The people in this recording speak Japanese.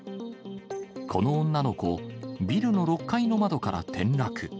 この女の子、ビルの６階の窓から転落。